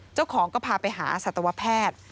เจ้าของก็พาไปหาสัตวแพทย์